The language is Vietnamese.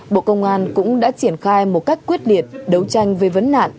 bộ công an cũng đã triển khai một cách quyết liệt đấu tranh về vấn nạn